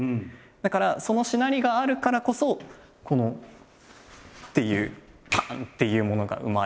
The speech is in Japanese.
だからそのしなりがあるからこそこのっていうパン！っていうものが生まれる。